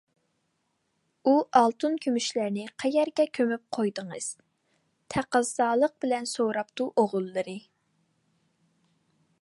- ئۇ ئالتۇن- كۈمۈشلەرنى قەيەرگە كۆمۈپ قويدىڭىز؟- تەقەززالىق بىلەن سوراپتۇ ئوغۇللىرى.